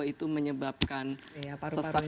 itu menyebabkan sesak